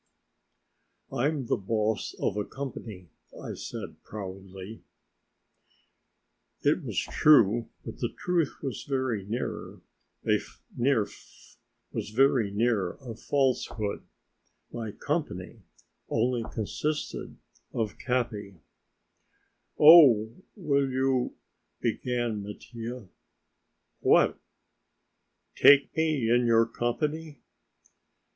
"I'm the boss of a company," I said proudly. It was true, but the truth was very near a falsehood. My "company" only consisted of Capi. "Oh, will you...." began Mattia. "What?" "Take me in your company?"